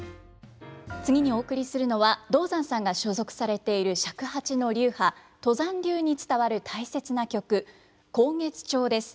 次にお送りするのは道山さんが所属されている尺八の流派都山流に伝わる大切な曲「慷月調」です。